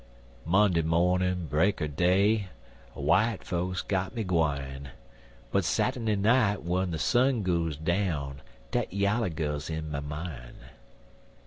Monday mornin' break er day, W'ite folks got me gwine, But Sat'dy night, w'en de sun goes down, Dat yaller gal's in my mine.